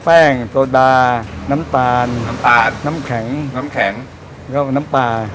แป้งโซดาน้ำตาลน้ำแข็งน้ำปลา